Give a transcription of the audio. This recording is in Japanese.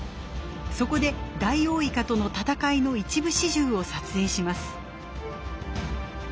そこでダイオウイカとの闘いの一部始終を撮影します。